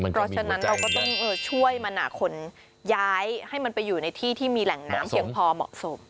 เพราะฉะนั้นเราก็ต้องช่วยมันหาคนย้ายให้มันไปอยู่ในที่ที่มีแหล่งน้ำเพียงพอเหมาะสม